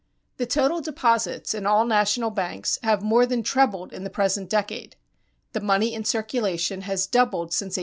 The total deposits in all national banks have more than trebled in the present decade; the money in circulation has doubled since 1890.